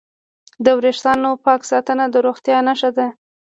د وېښتانو پاک ساتنه د روغتیا نښه ده.